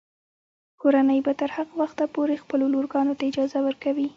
کورنۍ به تر هغه وخته پورې خپلو لورګانو ته اجازه ورکوي.